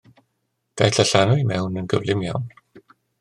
Daeth y llanw i mewn yn gyflym iawn.